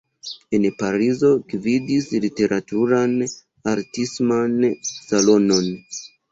En Parizo gvidis literaturan-artisman salonon.